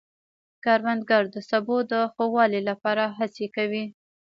کروندګر د سبو د ښه والي لپاره هڅې کوي